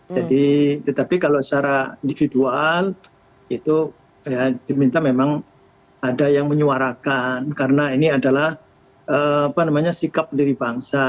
jadi tetapi kalau secara individual itu ya diminta memang ada yang menyuarakan karena ini adalah apa namanya sikap diri bangsa